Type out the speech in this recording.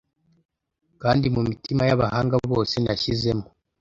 Kandi mu mitima y’abahanga bose nashyizemo